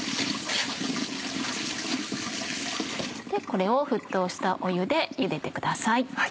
これを沸騰した湯でゆでてください。